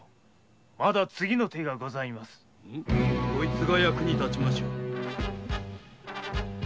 こいつが役に立ちましょう。